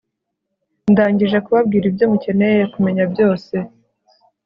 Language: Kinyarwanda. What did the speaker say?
Ndangije kubabwira ibyo mukeneye kumenya byose